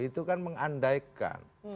itu kan mengandaikan